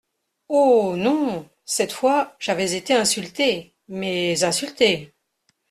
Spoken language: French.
Oh ! non… cette fois, j’avais été insulté !… mais insulté !…